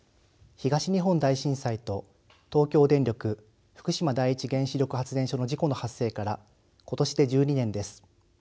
東日本大震災と東京電力福島第一原子力発電所の事故の発生から今年で１２年です。